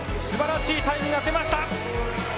素晴らしいタイムが出ました。